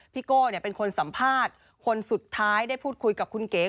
โก้เป็นคนสัมภาษณ์คนสุดท้ายได้พูดคุยกับคุณเก๋